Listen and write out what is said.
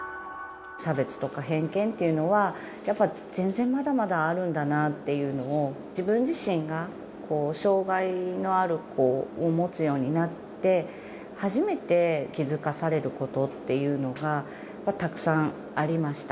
差別とか偏見っていうのは、やっぱり全然まだまだあるんだなっていうのを、自分自身が障がいのある子を持つようになって、初めて気付かされることっていうのがたくさんありました。